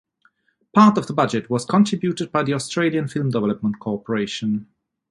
Part of the budget was contributed by the Australian Film Development Corporation.